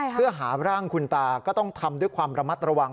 เพื่อหาร่างคุณตาก็ต้องทำด้วยความระมัดระวัง